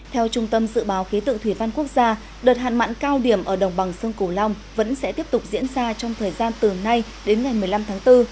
theo trung tâm dự báo khí tượng thủy văn quốc gia đợt hạn mặn cao điểm ở đồng bằng sông cửu long vẫn sẽ tiếp tục diễn ra trong thời gian từ nay đến ngày một mươi năm tháng bốn